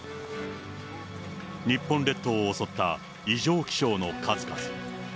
日本列島を襲った異常気象の数々。